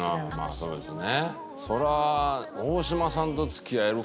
そうですね。